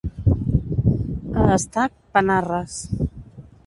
A Estac, panarres.